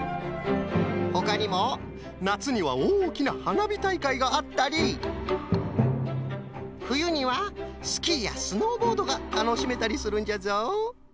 ほかにもなつにはおおきなはなびたいかいがあったりふゆにはスキーやスノーボードがたのしめたりするんじゃぞ。